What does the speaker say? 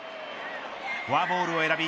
フォアボールを選び